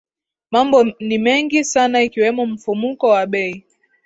mambo ni mengi sana ikiwemo mfumuko wa bei